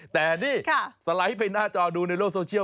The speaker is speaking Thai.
แต่นี่สไลด์ไปหน้าจอดูในโลกโซเชียล